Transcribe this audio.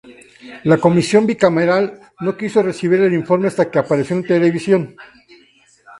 La Comisión Bicameral no quiso recibir el informe hasta que apareció en televisión.